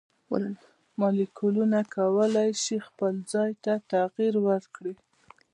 مالیکولونه کولی شي خپل ځای ته تغیر ورکړي.